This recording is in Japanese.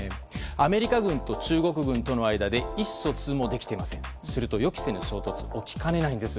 アメリカ軍と中国軍との間で意思疎通もできないとすると、予期せぬ衝突が起きかねないんです。